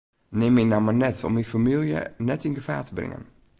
Neam myn namme net om myn famylje net yn gefaar te bringen.